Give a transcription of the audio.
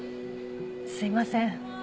すみません。